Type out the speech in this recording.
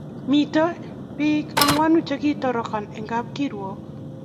Miten pik anwanu che kitorokan en kapkirwok